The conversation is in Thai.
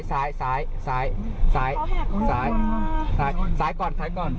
ซ้ายก่อน